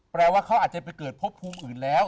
แปลว่าเขาอาจจะไปเกิดพบภูมิอื่นแล้ว